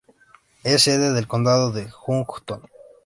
Es sede del condado de Houghton.